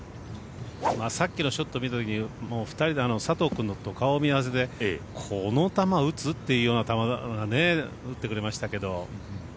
さっきのショット見た時も２人で佐藤君と顔を見合わせてこの球打つ？っていうような球を打ってくれましたけど。